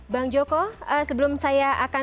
bang joko sebelum saya akan